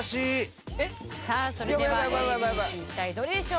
さあそれではＡＢＣ一体どれでしょう？